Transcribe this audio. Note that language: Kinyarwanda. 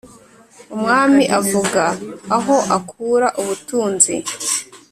umwami avuga aho akura ubutunzi